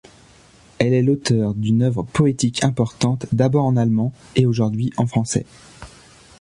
Elle est l’auteur d’une œuvre poétique importante d'abord en allemand et aujourd'hui en français.